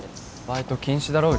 バイト禁止だろ？